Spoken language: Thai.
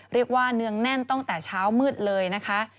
เรียกว่าเนืองแน่นตั้งแต่เช้ามืดเลยนะคะ